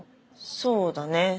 そうだね。